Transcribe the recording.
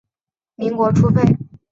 民国初废。